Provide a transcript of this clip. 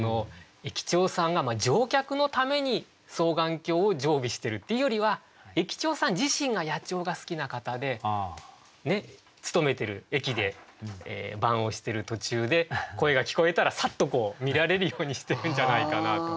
駅長さんが乗客のために双眼鏡を常備してるっていうよりは駅長さん自身が野鳥が好きな方で勤めてる駅で番をしてる途中で声が聞こえたらサッと見られるようにしてるんじゃないかなと。